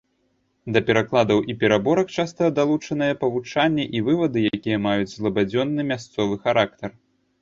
Да перакладаў і пераробак часта далучаныя павучанні і вывады, якія маюць злабадзённы мясцовы характар.